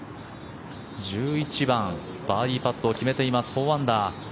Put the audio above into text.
１１番、バーディーパットを決めています４アンダー。